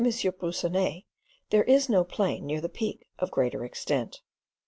Broussonnet there is no plain near the Peak of greater extent.